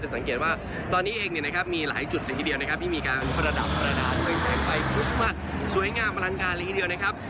สังเกตว่าตอนนี้เองเนี่ยนะครับมีหลายจุดเลยทีเดียวนะครับที่มีการประดับประดาษด้วยแสงไฟคริสต์มัสสวยงามอลังการเลยทีเดียวนะครับ